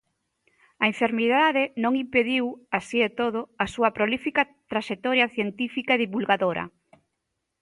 A enfermidade non impediu, así e todo, a súa prolífica traxectoria científica e divulgadora.